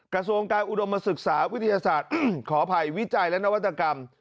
กระทรวงการอุดมศึกษาวิทยาศาสตร์ขออภัยวิจัยและนวัตกรรม